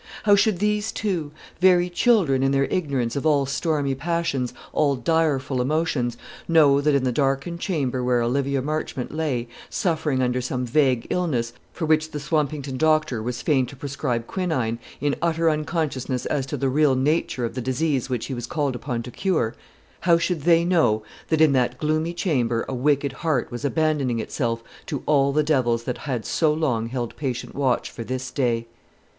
How should these two very children in their ignorance of all stormy passions, all direful emotions know that in the darkened chamber where Olivia Marchmont lay, suffering under some vague illness, for which the Swampington doctor was fain to prescribe quinine, in utter unconsciousness as to the real nature of the disease which he was called upon to cure, how should they know that in that gloomy chamber a wicked heart was abandoning itself to all the devils that had so long held patient watch for this day?